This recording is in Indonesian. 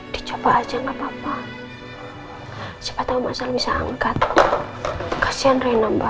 dicoba aja gak papa siapa tau maksimal bisa angkat kasihan reina mbak